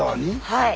はい。